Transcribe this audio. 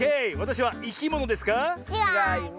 ちがいます。